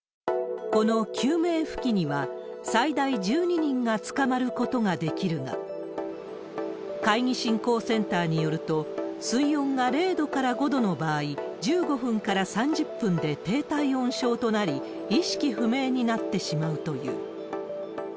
この救命浮器には、最大１２人がつかまることができるが、海技振興センターによると、水温が０度から５度の場合、１５分から３０分で低体温症となり、意識不明になってしまうという。